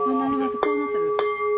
こうなってる。